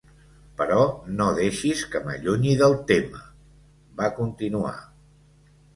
"Però no deixis que m'allunyi del tema", va continuar.